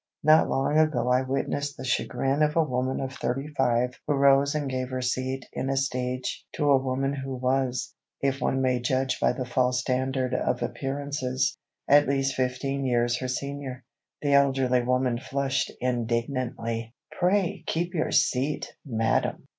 Not long ago I witnessed the chagrin of a woman of thirty five who rose and gave her seat in a stage to a woman who was, if one may judge by the false standard of appearances, at least fifteen years her senior. The elderly woman flushed indignantly: "Pray keep your seat, madam!"